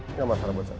enggak masalah buat saya